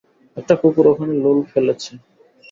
একটা কুকুর ওখানে লোল ফেলেছে।